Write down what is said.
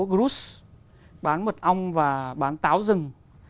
gruz bán mật ong và bán táo rừng